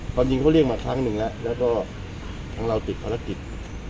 ความจริงเขาเรียกมาครั้งหนึ่งแล้วแล้วก็ของเราติดภารกิจ